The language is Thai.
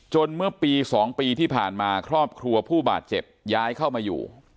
เมื่อปี๒ปีที่ผ่านมาครอบครัวผู้บาดเจ็บย้ายเข้ามาอยู่